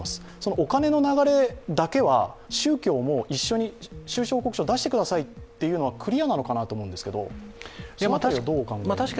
お金の流れだけは、宗教も一緒に収支報告書を出してくださいというのがクリアなのかなと思うんですが、その辺りはどうお考えですか？